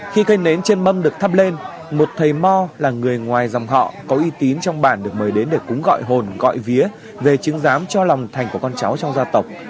khi cây nến trên mâm được thắp lên một thầy mò là người ngoài dòng họ có uy tín trong bản được mời đến để cúng gọi hồn gọi vía về chứng giám cho lòng thành của con cháu trong gia tộc